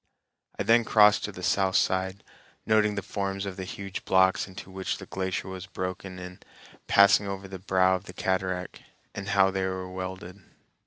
I then crossed to the south side, noting the forms of the huge blocks into which the glacier was broken in passing over the brow of the cataract, and how they were welded.